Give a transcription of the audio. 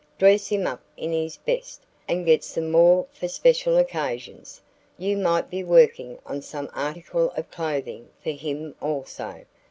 "Dress him up in his best and get some more for special occasions. You might be working on some article of clothing for him also.